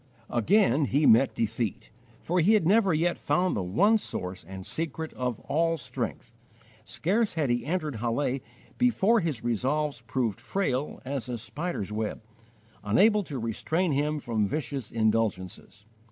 Again he met defeat, for he had never yet found the one source and secret of all strength. Scarce had he entered Halle before his resolves proved frail as a spider's web, unable to restrain him from vicious indulgences.